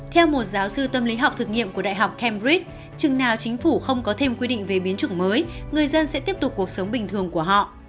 theo một giáo sư tâm lý học thực nghiệm của đại học cambridg chừng nào chính phủ không có thêm quy định về biến chủng mới người dân sẽ tiếp tục cuộc sống bình thường của họ